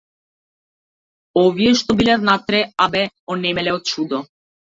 Овие што биле внатре, а бе онемеле од чудо.